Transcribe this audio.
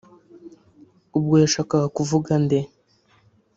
ubwo yashakaga kuvuga nde